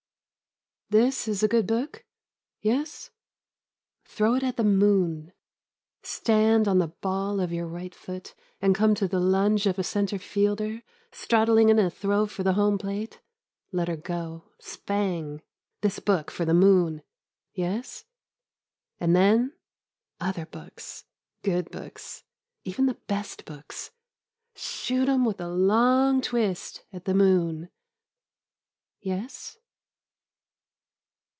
This is a good book? Yes? Throw it at the moon. Stand on the ball of your right foot And come to the lunge of a center fielder Straddling in a throw for the home plate, Let her go — spang — this book for the moon — yes? And then — other books, good books, even the best books — shoot 'em with a long twist at the moon — ^yes?